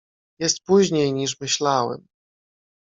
"Jest później, niż myślałem."